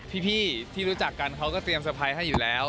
พี่ที่รู้จักกันเขาก็เตรียมเตอร์ไพรส์ให้อยู่แล้ว